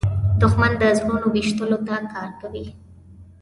دښمن د زړونو ویشلو ته کار کوي